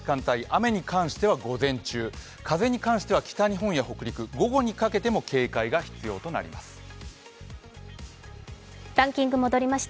雨に関しては午前中、風に関しては北日本や北陸、午後にかけても警戒が必要になります。